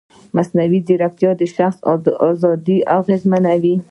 مصنوعي ځیرکتیا د شخصي ازادۍ اغېزمنوي.